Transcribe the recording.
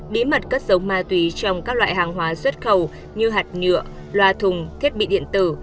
bí mật cất giống ma túy trong các loại hàng hóa xuất khẩu như hạt nhựa loa thùng thiết bị điện tử